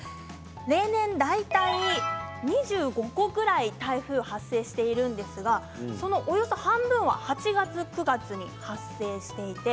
例年、大体２５個ぐらい台風発生しているんですがその、およそ半分が８月９月に発生していて